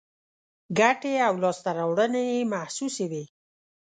ګټې او لاسته راوړنې یې محسوسې وي.